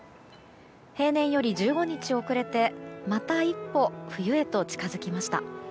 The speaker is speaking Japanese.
平年より１５日遅れてまた一歩冬へと近づきました。